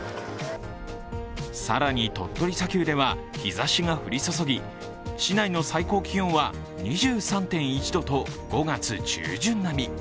更に、鳥取砂丘では日ざしが降り注ぎ市内の最高気温は２３．１度と５月中旬並み。